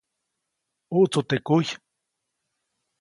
ʼUʼtsu teʼ kujy.